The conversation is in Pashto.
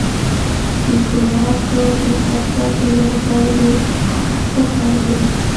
د ګلاب ګل د قبضیت د لرې کولو لپاره وکاروئ